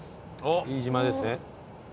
飯島ですね。